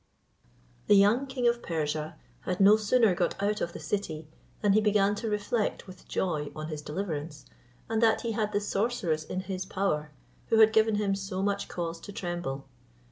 The young king of Persia had no sooner got out of the city, than he began to reflect with joy on his deliverance, and that he had the sorceress in his power, who had given him so much cause to tremble.